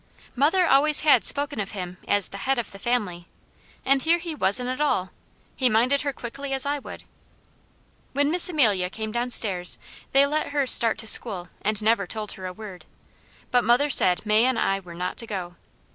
Mother always had spoken of him as "the Head of the Family," and here he wasn't at all! He minded her quickly as I would. When Miss Amelia came downstairs they let her start to school and never told her a word, but mother said May and I were not to go.